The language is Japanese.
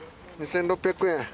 ２，６００円。